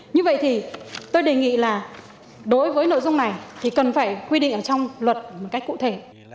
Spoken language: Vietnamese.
như vậy thì tôi đề nghị là đối với nội dung này thì cần phải quy định ở trong luật một cách cụ thể